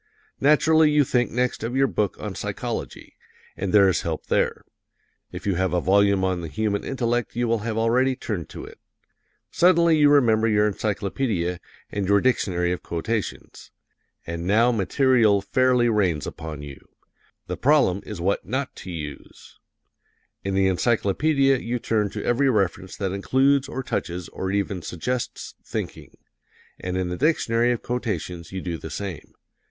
Naturally you think next of your book on psychology, and there is help there. If you have a volume on the human intellect you will have already turned to it. Suddenly you remember your encyclopedia and your dictionary of quotations and now material fairly rains upon you; the problem is what not to use. In the encyclopedia you turn to every reference that includes or touches or even suggests "thinking;" and in the dictionary of quotations you do the same.